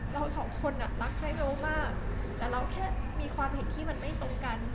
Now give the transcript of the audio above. เราสองคนอ่ะรักใช้เวลมากแต่เราแค่มีความเห็นที่มันไม่ตรงกัน